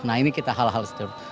nah ini kita hal hal sederhana